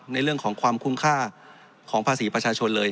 ในเรื่องของความคุ้มค่าของภาษีประชาชนเลย